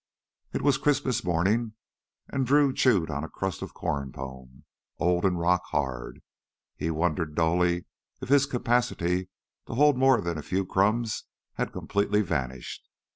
It was Christmas morning, and Drew chewed on a crust of corn pone, old and rock hard. He wondered dully if his capacity to hold more than a few crumbs had completely vanished.